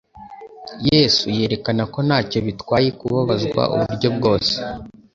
Yesu yerekana ko ntacyo bitwaye kubabazwa uburyo bwose,